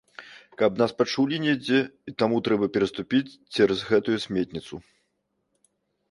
Каб нас пачулі недзе, і таму трэба пераступіць цераз гэтую сметніцу.